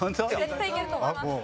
絶対いけると思います。